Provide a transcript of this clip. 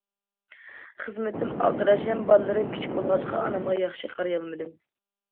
خىزمىتىم ئالدىراش ھەم بالىلىرىم كىچىك بولغاچقا، ئانامغا ياخشى قارىيالمىدىم.